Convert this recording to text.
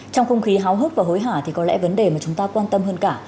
trong không khí háo hức và hối hả thì có lẽ vấn đề mà chúng ta quan tâm hơn cả